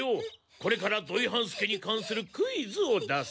これから土井半助に関するクイズを出す。